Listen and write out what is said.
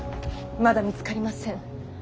まだ見つかりません。